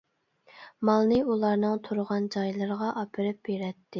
مالنى ئۇلارنىڭ تۇرغان جايلىرىغا ئاپىرىپ بېرەتتى.